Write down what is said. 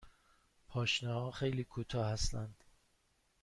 پاشنه ها خیلی کوتاه هستند.